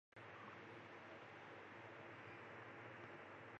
The district is among the most prosperous in the province.